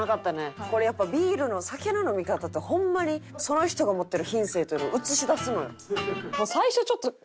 これやっぱビールの酒の飲み方ってホンマにその人が持ってる品性というのを映し出すのよ。